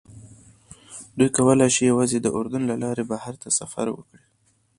دوی کولی شي یوازې د اردن له لارې بهر ته سفر وکړي.